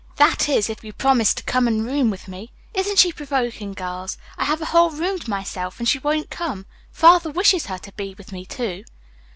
"That is, if you promise to come and room with me. Isn't she provoking, girls? I have a whole room to myself and she won't come. Father wishes her to be with me, too."